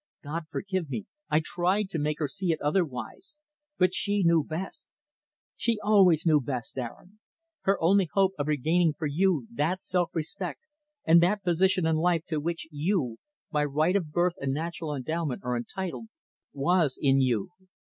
God forgive me I tried to make her see it otherwise but she knew best. She always knew best, Aaron. Her only hope of regaining for you that self respect and that position in life to which you by right of birth and natural endowment are entitled, was in you.